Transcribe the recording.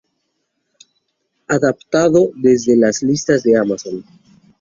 Adaptado desde las listas de Amazon.